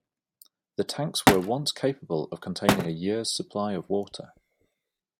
The tanks were once capable of containing a year's supply of water.